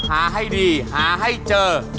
หาให้ดีหาให้เจอ